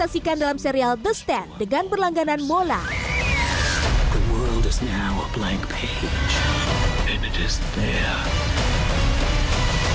akan kah kubu mother abigail berhasil menciptakan masyarakat baru yang damai terjadinya memberikan makhluk lebih smart untuk keberhasilan meeting the einfachen